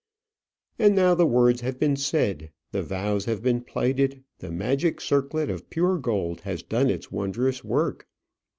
And now the words have been said, the vows have been plighted, the magic circlet of pure gold has done its wondrous work.